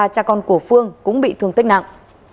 ba cha con của phương cũng bị thương tích nặng